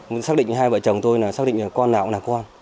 mình xác định hai vợ chồng tôi là xác định là con nào cũng là con